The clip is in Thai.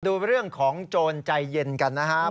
ดูเรื่องของโจรใจเย็นกันนะครับ